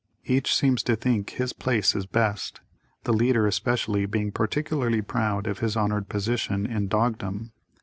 Each seems to think his place is best, the leader especially being particularly proud of his honored position in "Dogdom."